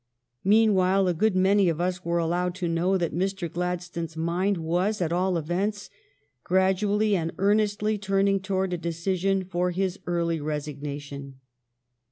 Meanwhile a good many of us were allowed to know that Mr. Gladstone s mind was, at all events, gradually and earnestly turning toward a decision for his early resignation.